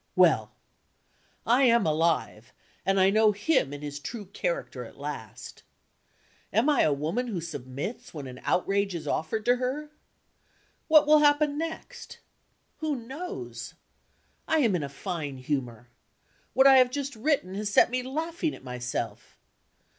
Well! I am alive; and I know him in his true character at last. Am I a woman who submits when an outrage is offered to her? What will happen next? Who knows? I am in a fine humor. What I have just written has set me laughing at myself.